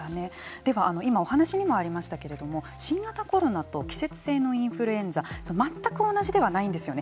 では、今、お話にもありましたけれども新型コロナと季節性のインフルエンザ全く同じではないんですよね。